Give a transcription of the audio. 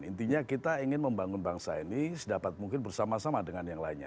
intinya kita ingin membangun bangsa ini sedapat mungkin bersama sama dengan yang lainnya